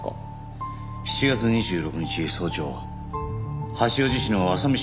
７月２６日早朝八王子市の浅美